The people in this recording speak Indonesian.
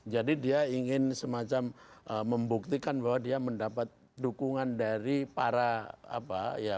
jadi dia ingin semacam membuktikan bahwa dia mendapat dukungan dari para apa ya